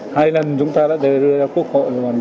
hai lần chúng ta đã đưa ra quốc hội